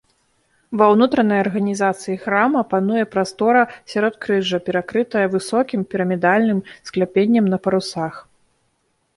Ва ўнутранай арганізацыі храма пануе прастора сяродкрыжжа, перакрытая высокім пірамідальным скляпеннем на парусах.